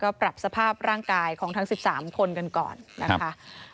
ก็ปรับสภาพร่างกายของทั้ง๑๓คนกันก่อนนะคะ